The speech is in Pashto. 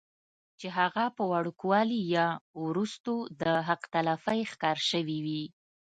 چې هغه پۀ وړوکوالي يا وروستو د حق تلفۍ ښکار شوي وي